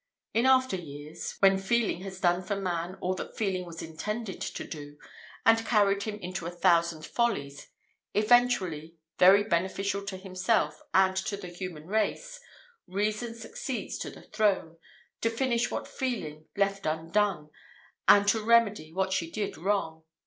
In after years, when feeling has done for man all that feeling was intended to do, and carried him into a thousand follies, eventually very beneficial to himself, and to the human race, reason succeeds to the throne, to finish what feeling left undone, and to remedy what she did wrong.